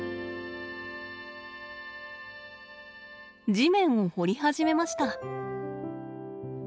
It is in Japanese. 地面を掘り始めました。